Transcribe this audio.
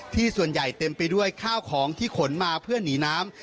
ส่วนใหญ่เต็มไปด้วยข้าวของที่ขนมาเพื่อหนีน้ำ